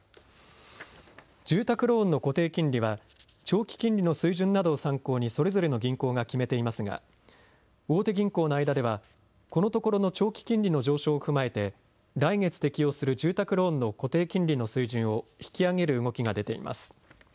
住宅ローンの固定金利は長期金利の水準などを参考にそれぞれの銀行が決めていますが大手銀行の間ではこのところの長期金利の上昇を踏まえて来月適用する住宅ローンの固定金利の水準を引き上げる動きが出ています。